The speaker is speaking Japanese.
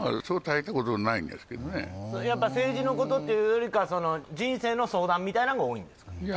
そう大したことないんですけどねやっぱ政治のことというよりかは人生の相談みたいなんが多いんですか？